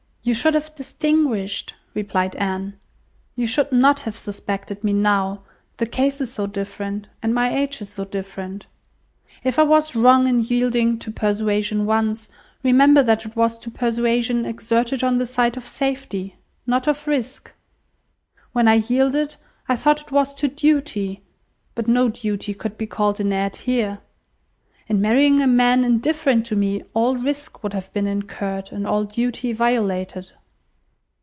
"You should have distinguished," replied Anne. "You should not have suspected me now; the case is so different, and my age is so different. If I was wrong in yielding to persuasion once, remember that it was to persuasion exerted on the side of safety, not of risk. When I yielded, I thought it was to duty, but no duty could be called in aid here. In marrying a man indifferent to me, all risk would have been incurred, and all duty violated."